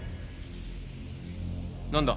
何だ？